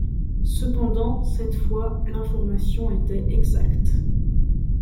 Cependant, cette fois, l'information était exacte.